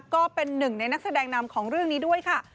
ก็เป็นหนึ่งในนักแสดงนำของเรื่องนี้ด้วยค่ะ